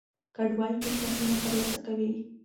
کډوال ټیټ معاشونه ترلاسه کوي.